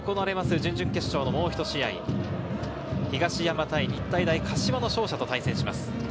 準々決勝のもうひと試合、東山対日体大柏の勝者と対戦します。